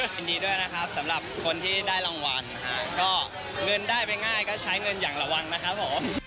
ยินดีด้วยนะครับสำหรับคนที่ได้รางวัลนะฮะก็เงินได้ไปง่ายก็ใช้เงินอย่างระวังนะครับผม